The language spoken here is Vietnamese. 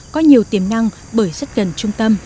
có nhiều tiềm năng bởi rất gần trung tâm